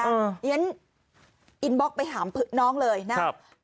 อย่างนั้นอินบ็อกไปหามผึ๊กน้องเลยนะฮะ